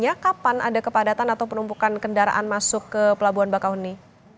ya kapan ada kepadatan atau penumpukan kendaraan masuk ke pelabuhan bakauheni